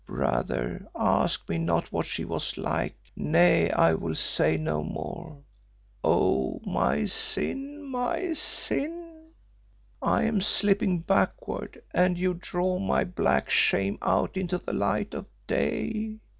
Brother, ask me not what she was like, nay, I will say no more. Oh! my sin, my sin. I am slipping backward and you draw my black shame out into the light of day.